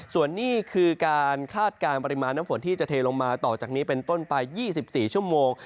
ส่วนนี้คือการคาดการณ์ปริมาณน้ำฝนที่จะเทลงมาต่อจากนี้เป็นต้นไป๒๔ชั่วโมง